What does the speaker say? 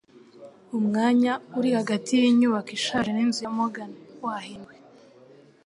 Umwanya uri hagati yinyubako ishaje n'inzu ya Morgan wahinduwe